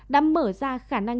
đã mở ra khả năng